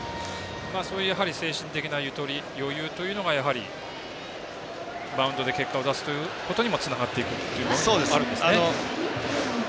やはり精神的なゆとり余裕というのがやはりマウンドで結果を出すということにもつながっていくというのもあるんですね。